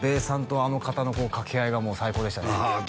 さんとあの方の掛け合いがもう最高でしたねああ